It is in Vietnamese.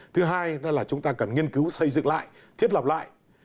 thứ hai là chúng ta cần nghiên cứu xây dựng lại thiết lập lại